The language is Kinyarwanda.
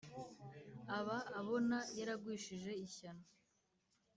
aba abona yaragwishije ishyano